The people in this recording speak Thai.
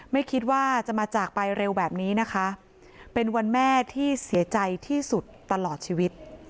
ไม่คิดว่าจะมาจากไปเร็วแบบนี้นะคะเป็นวันแม่ที่เสียใจที่สุดตลอดชีวิต